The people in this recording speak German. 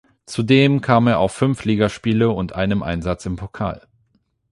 Zudem kam er auf fünf Ligaspiele und einem Einsatz im Pokal.